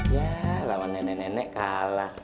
ya lawan nenek nenek kalah